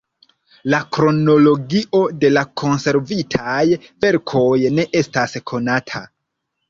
La kronologio de la konservitaj verkoj ne estas konata.